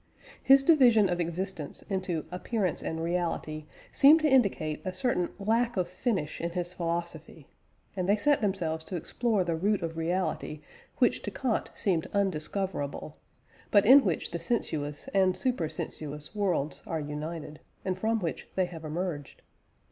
His division of existence into Appearance and Reality seemed to indicate a certain lack of finish in his philosophy; and they set themselves to explore the root of reality which to Kant seemed undiscoverable, but in which the sensuous and super sensuous worlds are united, and from which they have emerged.